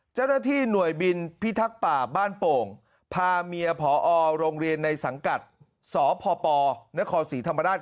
เจ้าหน้าที่หน่วยบินพิทักษ์ป่าบ้านโป่งพาเมียผอโรงเรียนในสังกัดสพปนครศรีธรรมราช